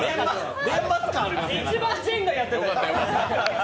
一番ジェンガやってた。